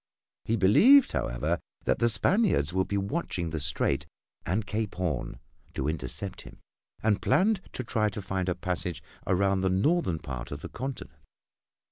He believed, however, that the Spaniards would be watching the Strait and Cape Horn to intercept him, and planned to try to find a passage around the northern part of the continent.